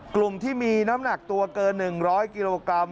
กลุ่มที่มีน้ำหนักตัวเกิน๑๐๐กิโลกรัม